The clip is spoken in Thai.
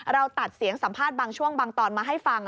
ตัดเสียงสัมภาษณ์บางช่วงบางตอนมาให้ฟัง